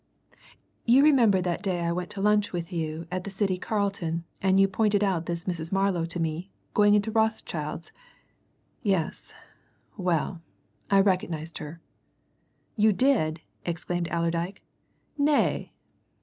You remember that day I went to lunch with you at the City Carlton, and you pointed out this Mrs. Marlow to me, going into Rothschild's? Yes, well I recognized her." "You did!" exclaimed Allerdyke. "Nay!"